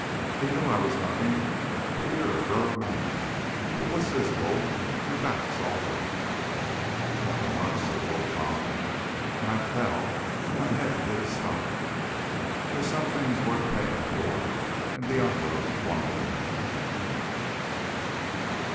"He knew I was nothing. But you're a growed man. But what's this, Bull? Your back's all wet." "It's nothing much," said Bull calmly. "When I fell, my head hit a stone. There's some things worth paying for, and Diablo's one of them."